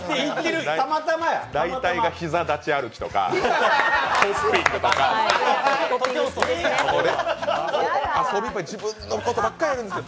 大体が膝立ち歩きとかホッピングとか遊びも自分のことばっかりやるんですよ。